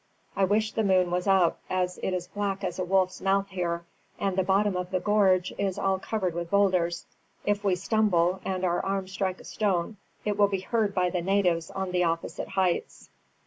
I wish the moon was up; it is as black as a wolf's mouth here, and the bottom of the gorge is all covered with boulders. If we stumble, and our arms strike a stone, it will be heard by the natives on the opposite heights."